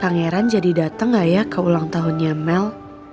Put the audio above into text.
pangeran jadi dateng nggak ya ke ulang tahunnya mel